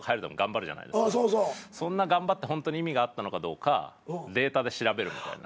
そんな頑張ってホントに意味があったのかどうかデータで調べるみたいな。